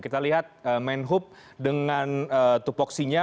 kita lihat menhub dengan tupoksinya